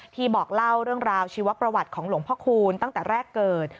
บอกเล่าเรื่องราวชีวประวัติของหลวงพ่อคูณตั้งแต่แรกเกิด